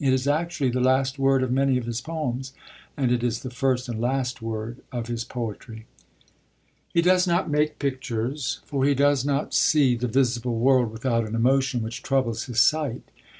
It is actually the last word of many of his poems, and it is the first and last word of his poetry. He does not make pictures, for he does not see the visible world without an emotion which troubles his sight.